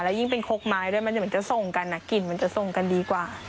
ยิ่งเป็นคกไม้ด้วยมันจะเหมือนจะส่งกันกลิ่นมันจะส่งกันดีกว่า